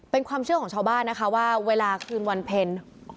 เป็นความเชื่อของชาวบ้านนะคะว่าเวลาคืนวันเพ็ญ